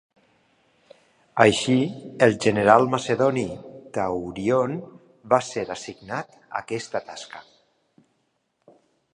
Així, el general macedoni Taurion va ser assignat a aquesta tasca.